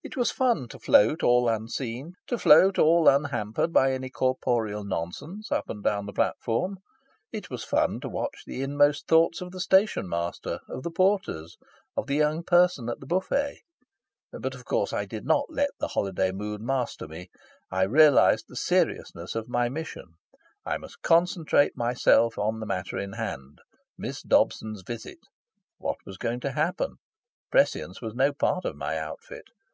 It was fun to float all unseen, to float all unhampered by any corporeal nonsense, up and down the platform. It was fun to watch the inmost thoughts of the station master, of the porters, of the young person at the buffet. But of course I did not let the holiday mood master me. I realised the seriousness of my mission. I must concentrate myself on the matter in hand: Miss Dobson's visit. What was going to happen? Prescience was no part of my outfit.